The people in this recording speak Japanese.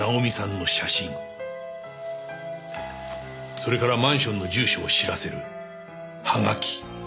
それからマンションの住所を知らせるハガキ。